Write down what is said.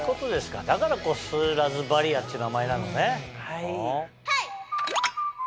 だから「こすらずバリア」っていう名前なのね。